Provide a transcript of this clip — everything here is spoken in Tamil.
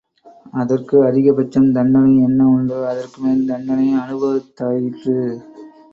அதற்கு அதிகபட்சம் தண்டனை என்ன உண்டோ, அதற்கு மேல் தண்டனை அனுபவித்தாயிற்று.